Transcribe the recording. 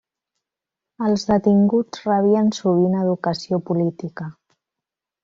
Els detinguts rebien sovint educació política.